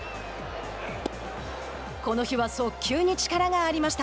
この日は速球に力がありました。